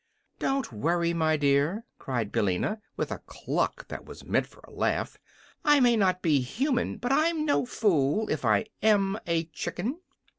"Don't worry, my dear," cried Billina, with a cluck that was meant for a laugh. "I may not be human, but I'm no fool, if I AM a chicken."